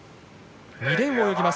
２レーンを泳ぎます。